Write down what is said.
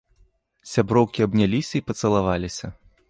Сяброўкі абняліся і пацалаваліся.